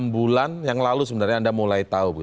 enam bulan yang lalu sebenarnya anda mulai tahu